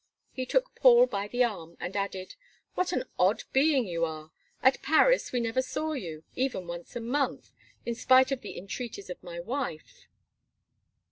He took Paul by the arm, and added: "What an odd being you are! At Paris, we never saw you, even once a month, in spite of the entreaties of my wife.